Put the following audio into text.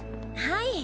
はい。